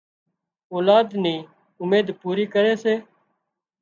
اولاد نِي اميد پوري ڪري سي